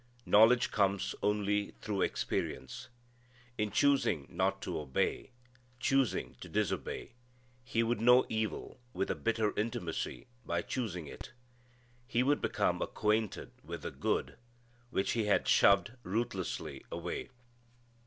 Knowledge comes only through experience. In choosing not to obey, choosing to disobey, he would know evil with a bitter intimacy by choosing it. He would become acquainted with the good which he had shoved ruthlessly away.